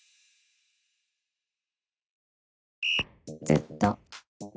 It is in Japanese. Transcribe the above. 「ずっと」。